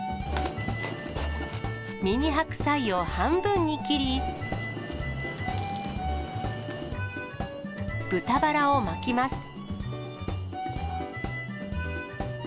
ミニ白菜を半分に切り、豚バラを巻きます。